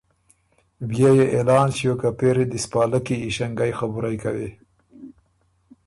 بيې يې اعلان ݭیوک که پېری دی سو پالکي ایݭنګئ خبُرئ کوی،